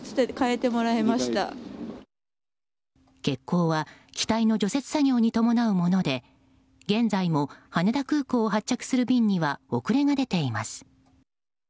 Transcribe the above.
欠航は機体の除雪作業に伴うもので現在も羽田空港を発着する便には遅れが出ています。